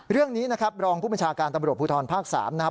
เรื่องนี้นะครับรองผู้บัญชาการตำรวจภูทรภาค๓นะครับ